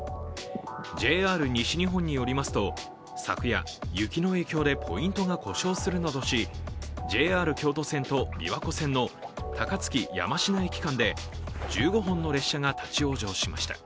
ＪＲ西日本によりますと、昨夜雪の影響でポイントが故障するなどし、ＪＲ京都線と琵琶湖線の高槻−山科駅間で１５本の列車が立往生しました。